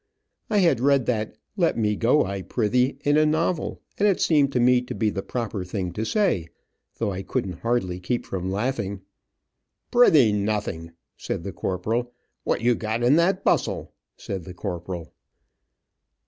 I had read that, "Let me go I prithe," in a novel, and it seemed to me to be the proper thing to say, though I couldn't hardly keep from laughing. "Prithe nothing," said the corporal. "What you got in that bustle?" said the corporal.